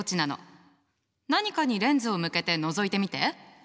何かにレンズを向けてのぞいてみて。